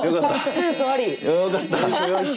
センスありです。